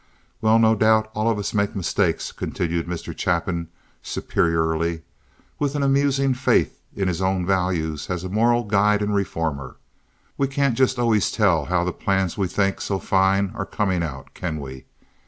"Well, no doubt all of us makes mistakes," continued Mr. Chapin, superiorly, with an amusing faith in his own value as a moral guide and reformer. "We can't just always tell how the plans we think so fine are coming out, can we?